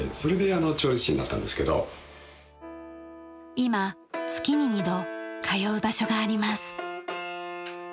今月に２度通う場所があります。